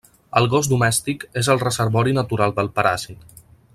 El gos domèstic és el reservori natural del paràsit.